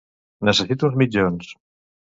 Necessito uns mitjons.